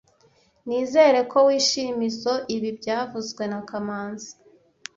Nizere ko wishimizoe ibi byavuzwe na kamanzi